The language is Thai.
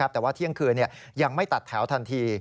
แต่ว่าเที่ยงคืนยังไม่ตัดแถวทันที